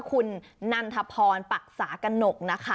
คุณนันทพรปรักษากนกนะคะ